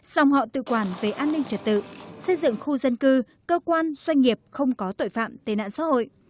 xong họ tự quản về an ninh trật tự xây dựng khu dân cư cơ quan doanh nghiệp không có tội phạm tên ạn xã hội